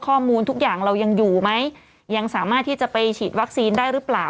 ข้อมูลทุกอย่างเรายังอยู่ไหมยังสามารถที่จะไปฉีดวัคซีนได้หรือเปล่า